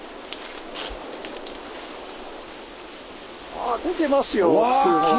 あ出てますよ月。